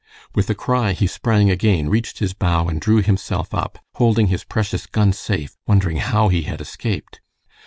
With a cry he sprang again, reached his bough and drew himself up, holding his precious gun safe, wondering how he had escaped.